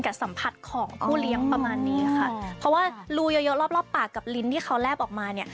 สัมผัสของผู้เลี้ยงประมาณนี้ค่ะเพราะว่ารูเยอะเยอะรอบรอบปากกับลิ้นที่เขาแลบออกมาเนี่ย